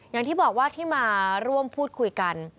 อย่างที่บอกว่าที่มาร่วมพูดคุยกัน